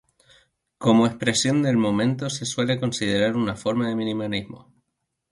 Como "expresión del momento", se suele considerar una forma de minimalismo.